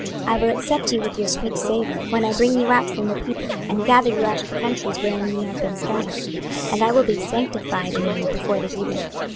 26:020:041 I will accept you with your sweet savour, when I bring you out from the people, and gather you out of the countries wherein ye have been scattered; and I will be sanctified in you before the heathen.